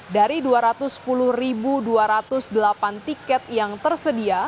dari dua ratus sepuluh dua ratus delapan tiket yang tersedia